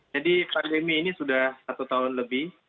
jadi pandemi ini sudah satu tahun lebih